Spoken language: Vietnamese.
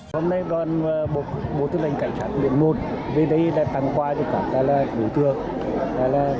hôm nay đoàn bộ tư lệnh cảnh sát biển một về đây là tặng quà cho cả các bộ thương